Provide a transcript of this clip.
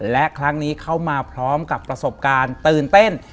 และครั้งนี้เข้ามาพร้อมกับประสบการณ์ตื่นเต้น